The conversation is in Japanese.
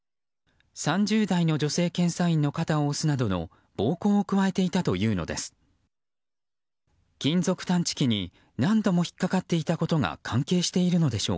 ３０代の女性検査員の肩を押すなどの暴行を加えていたというのです。